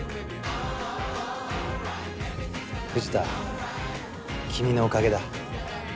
藤田君のおかげだ。